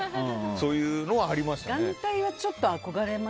そういうのはありましたね。